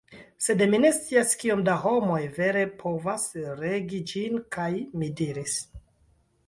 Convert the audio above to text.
Sed mi ne scias kiom da homoj vere povas regi ĝin." kaj mi diris: